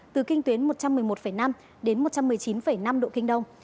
từ kinh tuyến một trăm một mươi một năm đến một trăm một mươi chín năm độ kinh đông